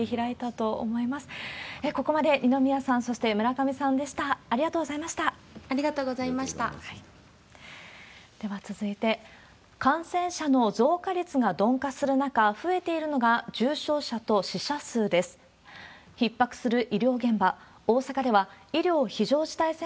では続いて、感染者の増加率が鈍化する中、増えているのが重症者と死者数です。